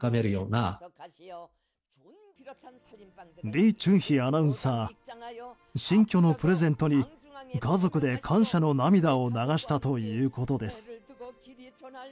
リ・チュンヒアナウンサー新居のプレゼントに家族で感謝の涙を流したということです。